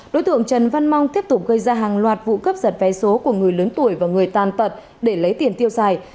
đối tượng trần văn mong tiếp tục gây ra hàng loạt vụ cướp giật vé số của người lớn tuổi và người tàn tật để lấy tiền tiêu xài